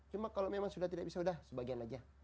cuma kalau memang sudah tidak bisa sudah sebagian aja